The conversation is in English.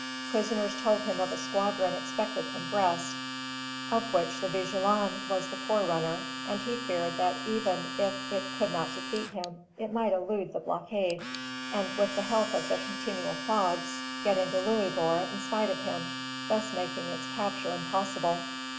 Prisoners told him of a squadron expected from Brest, of which the "Vigilant" was the forerunner; and he feared that even if it could not defeat him, it might elude the blockade, and with the help of the continual fogs, get into Louisbourg in spite of him, thus making its capture impossible.